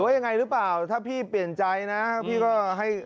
หรือว่าไงก็เปลี่ยนใจนะ